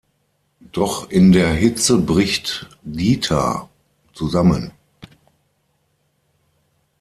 Doch in der Hitze bricht Dita zusammen.